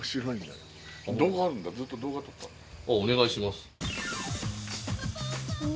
あっお願いします。